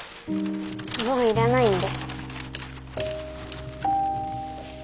もう要らないんで。